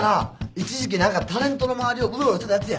一時期何かタレントの周りをうろうろしてたやつや。